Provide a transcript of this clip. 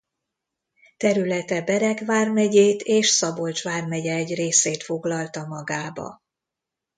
Területe Bereg vármegyét és Szabolcs vármegye egy részét foglalta magába.